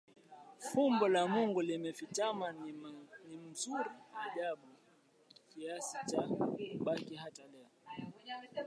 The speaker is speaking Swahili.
fumbo la Mungu limefichama ni mzuri ajabu kiasi cha kubaki hata leo